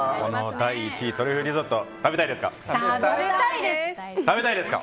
第１位、トリュフリゾット食べたいですか？